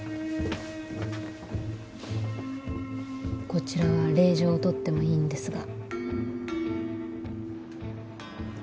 こちらは令状を取ってもいいんですが。